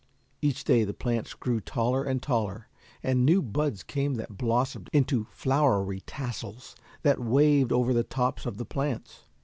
Each day the plants grew taller and taller, and new buds came that blossomed into flowery tassels that waved over the tops of the plants.